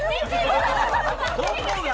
どこが？